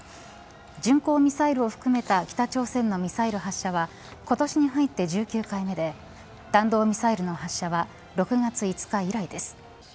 巡航ミサイルを含めた北朝鮮のミサイル発射は今年に入って１９回目で弾道ミサイルの発射は６月５日以来です。